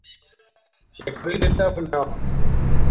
Shekarun littafin nawa?